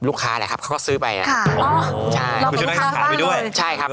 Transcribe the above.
ลูกค้าแหละครับเขาก็ซื้อไปขายอ๋อใช่ลูกค้าไปด้วยใช่ครับ